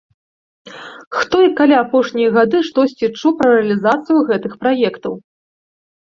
Хто і калі апошнія гады штосьці чуў пра рэалізацыю гэтых праектаў?